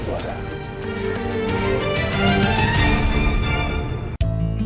kumpul bersama lo